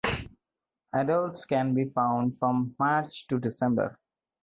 Adults can be found from March to December.